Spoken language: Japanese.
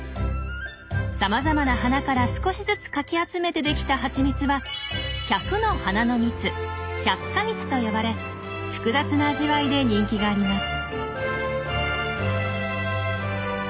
さまざまな花から少しずつかき集めてできた蜂蜜は百の花の蜜「百花蜜」と呼ばれ複雑な味わいで人気があります。